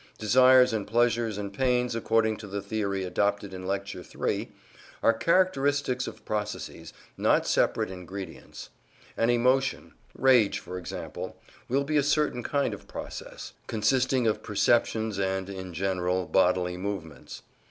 Desires and pleasures and pains, according to the theory adopted in Lecture III, are characteristics of processes, not separate ingredients. An emotion rage, for example will be a certain kind of process, consisting of perceptions and (in general) bodily movements.